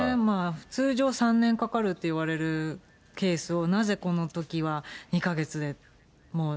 通常３年かかるっていわれるケースをなぜこのときは２か月でもう